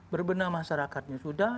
berbenah masyarakatnya sudah